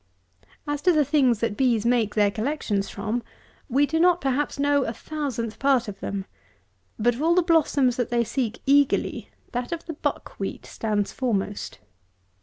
164. As to the things that bees make their collections from, we do not, perhaps, know a thousandth part of them; but of all the blossoms that they seek eagerly that of the Buck wheat stands foremost.